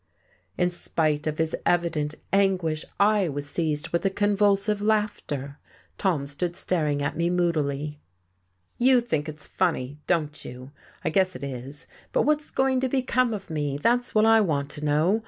In spite of his evident anguish, I was seized with a convulsive laughter. Tom stood staring at me moodily. "You think it's funny, don't you? I guess it is, but what's going to become of me? That's what I want to know.